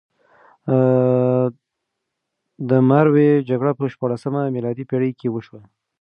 د مروې جګړه په شپاړلسمه میلادي پېړۍ کې وشوه.